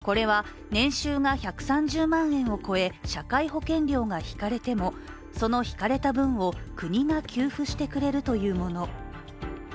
これは年収が１３０万円を超え社会保険料が引かれてもその引かれた分を、国が給付してくれるというもの。